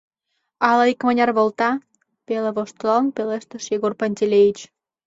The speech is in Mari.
Ала икмыняр волта, — пеле воштылалын пелештыш Егор Пантелеич.